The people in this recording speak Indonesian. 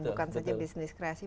bukan saja bisnis kreasi